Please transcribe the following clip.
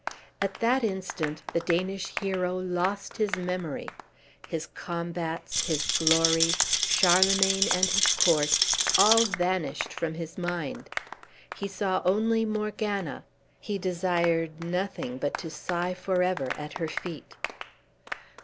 At that instant the Danish hero lost his memory; his combats, his glory, Charlemagne and his court, all vanished from his mind; he saw only Morgana, he desired nothing but to sigh forever at her feet.